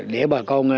để bà con